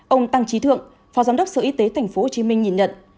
ông tăng trí thượng phó giám đốc sở y tế tp hcm nhìn nhận